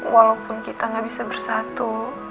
walaupun kita gak bisa bersatu